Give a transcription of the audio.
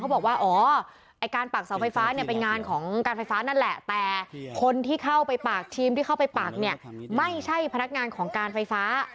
บอกว่าอ๋อไอ้การปักเสาไฟฟ้าเนี่ยเป็นงานของการไฟฟ้านั่นแหละแต่คนที่เข้าไปปากทีมที่เข้าไปปักเนี่ยไม่ใช่พนักงานของการไฟฟ้า